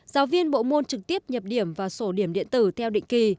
giáo viên bộ môn trực tiếp nhập điểm và sổ điểm điện tử theo định kỳ